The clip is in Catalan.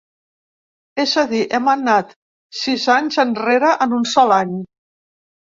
És a dir, hem anat sis anys enrere en un sol any.